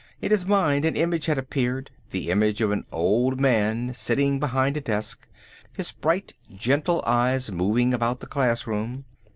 In his mind an image had appeared, the image of an old man sitting behind a desk, his bright gentle eyes moving about the classroom.